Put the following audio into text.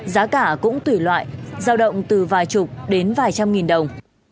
giá cả cũng tùy loại giao động từ vài chục đến vài trăm nghìn đồng